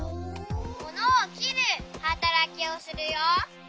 ものをきるはたらきをするよ。